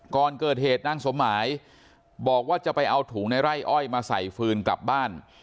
ก่อนเกิดเหตุนางสมหมายบอกว่าจะไปเอาถุงในไร่อ้อยมาใส่ฟืนกลับบ้าน